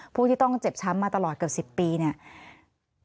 ผู้ที่ต้องเจ็บช้ำมาตลอดเกือบ๑๐ปีเนี่ย